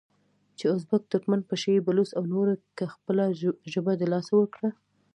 چې ازبک، ترکمن، پشه یي، بلوڅ او نورو که خپله ژبه د لاسه ورکړه،